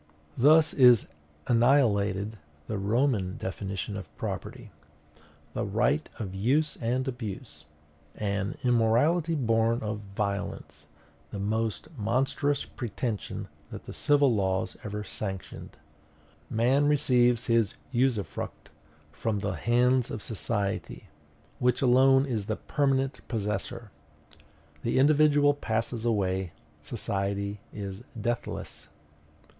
Thus is annihilated the Roman definition of property THE RIGHT OF USE AND ABUSE an immorality born of violence, the most monstrous pretension that the civil laws ever sanctioned. Man receives his usufruct from the hands of society, which alone is the permanent possessor. The individual passes away, society is deathless.